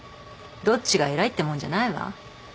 どっちが偉いってもんじゃないわ。